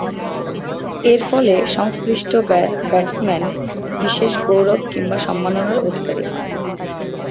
এরফলে সংশ্লিষ্ট ব্যাটসম্যান বিশেষ গৌরব কিংবা সম্মাননার অধিকারী হন।